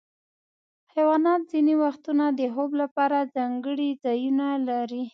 حیوانات ځینې وختونه د خوب لپاره ځانګړي ځایونه لري.